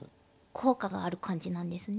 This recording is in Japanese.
効果がある感じなんですね？